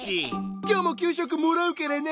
今日も給食もらうからな！